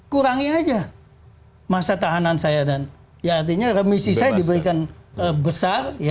kurangi aja masa tahanan saya dan ya artinya remisi saya diberikan besar